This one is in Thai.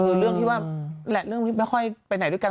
คือเรื่องที่ว่าแหละเรื่องนี้ไม่ค่อยไปไหนด้วยกัน